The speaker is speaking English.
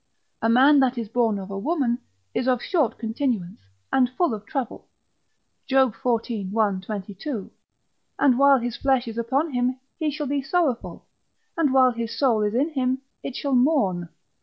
A man that is born of a woman is of short continuance, and full of trouble, Job xiv. 1, 22. And while his flesh is upon him he shall be sorrowful, and while his soul is in him it shall mourn.